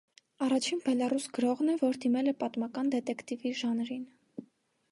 Առաջին բելառուս գրողն է, որ դիմել է պատմական դետեկտիվի ժանրին։